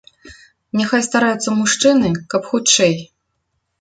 Няхай стараюцца мужчыны, каб хутчэй.